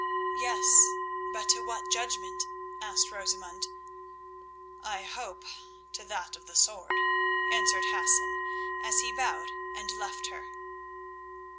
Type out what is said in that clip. "Yes, but to what judgment?" asked Rosamund. "I hope to that of the sword," answered Hassan, as he bowed and left her.